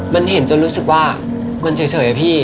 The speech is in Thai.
มันเห็นจนรู้สึกว่ามันเฉยอะพี่